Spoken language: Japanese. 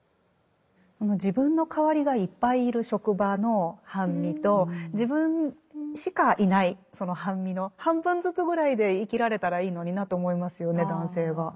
自分の代わりがいっぱいいる職場の半身と自分しかいないその半身の半分ずつぐらいで生きられたらいいのになと思いますよね男性は。